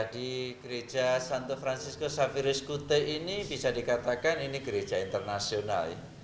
di gereja santo francisco safiris kute ini bisa dikatakan ini gereja internasional